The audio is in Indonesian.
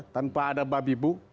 tanpa ada babibu